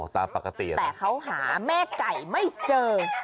แต่เขาหาแม่ไก่ไม่เจอ